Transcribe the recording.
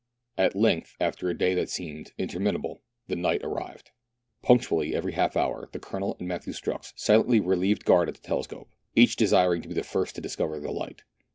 At length, after a day that seemed interminable, the night arrived. Punctually every half hour the Colonel and 11 8 meridiana; the adventures of Matthew Strux silently relieved guard at the telescope, each desiring to be the first to discover the light.